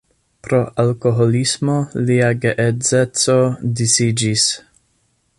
Pro alkoholismo lia geedzeco disiĝis.